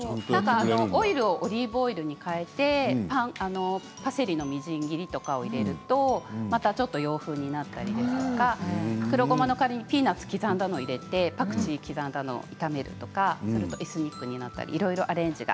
オリーブオイルに代えてパセリのみじん切りとかを入れると洋風になったりとか黒ごまの代わりにピーナツを刻んだのを入れてパクチーを刻んだのを入れて炒めるとエスニックになったりいろいろアレンジが。